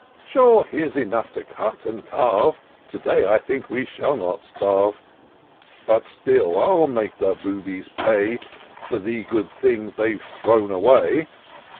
Sure, here's enough to cut and carve ; To day, I think, we shall not starve : But still I'll make the boobies pay For the good things they've tlirown away."